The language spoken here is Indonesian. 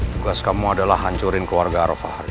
tugas kamu adalah hancurin keluarga arofah